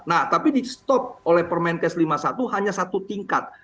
nah tapi di stop oleh permenkes lima puluh satu hanya satu tingkat